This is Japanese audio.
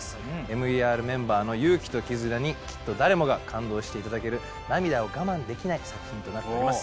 ＭＥＲメンバーの勇気と絆にきっと誰もが感動していただける涙を我慢できない作品となっております